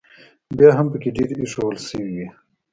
بیا هم پکې ډېرې ایښوول شوې وې.